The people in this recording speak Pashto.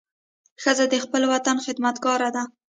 ښځه د خپل وطن خدمتګاره ده.